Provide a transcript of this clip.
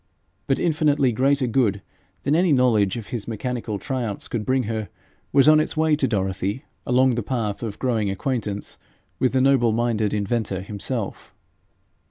But infinitely greater good than any knowledge of his mechanical triumphs could bring her, was on its way to Dorothy along the path of growing acquaintance with the noble minded inventor himself.